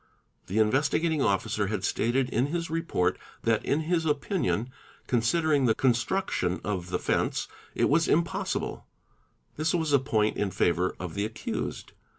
The Investigating Officer had stated in his report — that, in his opinion, considering the construction of the fence, it was impossible ; this was a point in favour of the accused.